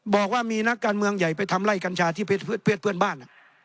บอกว่ามีนักการเมืองใหญ่ไปทำไล่กัญชาที่เพศเพื่อนบ้าน